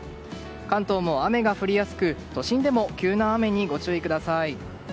関東も雨が降りやすく都心でも急な雨にご注意ください。